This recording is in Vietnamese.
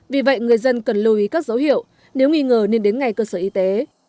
vì vậy người dân cần lưu ý các dấu hiệu nếu nghi ngờ nên đến ngay cơ sở y tế